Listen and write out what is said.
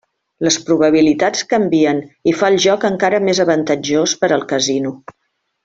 Les probabilitats canvien i fa el joc encara més avantatjós per al casino.